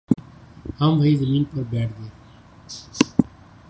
ہم وہیں زمین پر بیٹھ گ